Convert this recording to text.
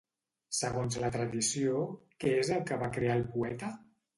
Segons la tradició, què és el que va crear el poeta?